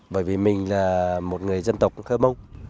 bởi vì mình là một người dân tộc hơ mông